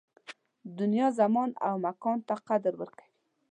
دنیا زمان او مکان ته قدر ورکوي